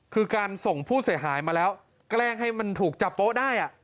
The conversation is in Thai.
คือการส่งผู้เสียหายมาแล้วแกล้งให้มันถูกจับโป๊ะได้